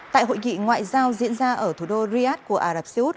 tại hội nghị ngoại giao diễn ra ở thủ đô riyadh của ả rập xê út